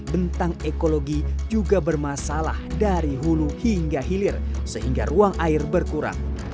bentang ekologi juga bermasalah dari hulu hingga hilir sehingga ruang air berkurang